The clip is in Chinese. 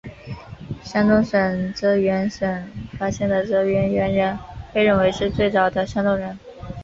山东省沂源县发现的沂源猿人被认为是最早的山东人。